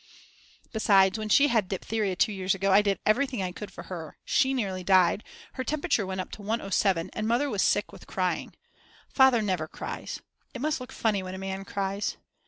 Besides, when she had diptheria two years ago I did everything I could for her, she nearly died, her temperature went up to 107 and Mother was sick with crying. Father never cries. It must look funny when a man cries.